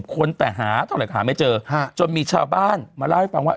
ค้นไปหาไม่เจอจนมีชาวบ้านมาเล่าให้ฟังว่า